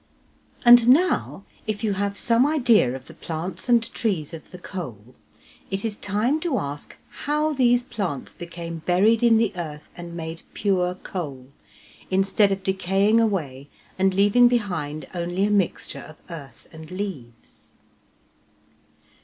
And now, if you have some idea of the plants and trees of the coal, it is time to ask how these plants became buried in the earth and made pure coal, instead of decaying away and leaving behind only a mixture of earth and leaves?